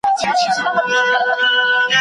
د شهیدانو د قبرونو کوي